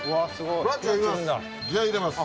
クラッチ入れます。